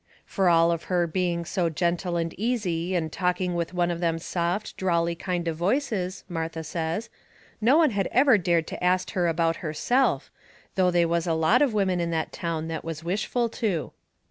Fur all of her being so gentle and easy and talking with one of them soft, drawly kind of voices, Martha says, no one had ever dared to ast her about herself, though they was a lot of women in that town that was wishful to.